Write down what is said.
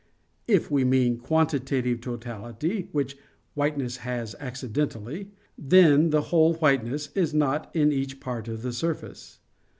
If we mean quantitative totality which whiteness has accidentally, then the whole whiteness is not in each part of the surface.